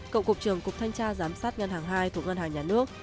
cậu cục trường cục thanh tra giám sát ngân hàng hai thuộc ngân hàng nhà nước